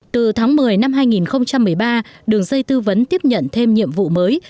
từ tháng một mươi năm hai nghìn một mươi ba đường dây tư vấn tiếp nhận thêm nhiệm vụ mới